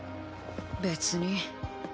別に。